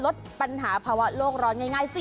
ลดปัญหาภาวะโลกร้อนง่ายสิ